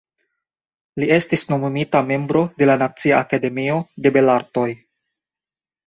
Li estis nomumita membro de la Nacia Akademio de Belartoj.